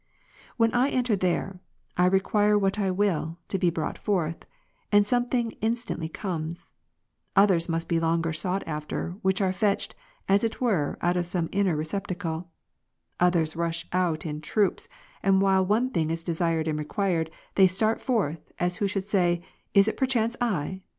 When I enter there, I require what I will, to be brought forth, and something instantly comes ; others must be longer sought after, which are fetched, as it were, out of some inner receptacle; others rush out in troops, and while one thing is desired and required, they start forth, as who should say, " Is it perchance I